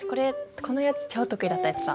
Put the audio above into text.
このやつ超得意だったやつだ。